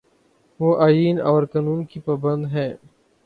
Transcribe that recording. وہ آئین اور قانون کی پابند ہے۔